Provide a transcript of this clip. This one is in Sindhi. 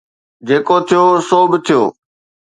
جيڪو ٿيو، سو به ٿيو